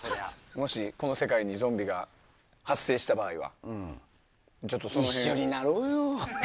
もしこの世界にゾンビが発生した場合は。